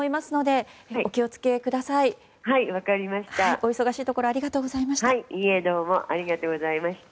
お忙しいところありがとうございました。